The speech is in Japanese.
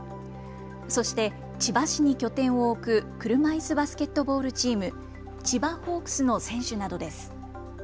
そして千葉市に拠点を置く車いすバスケットボールチーム、千葉ホークスの選手などです。